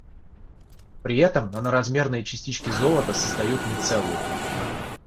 при этом наноразмерные частички золота создают мицеллу.